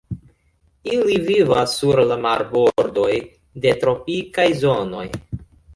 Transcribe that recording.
Ili vivas sur la marbordoj de tropikaj zonoj.